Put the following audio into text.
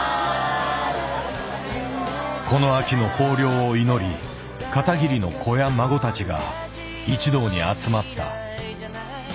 この秋の豊猟を祈り片桐の子や孫たちが一堂に集まった。